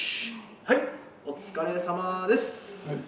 はいお疲れさまです！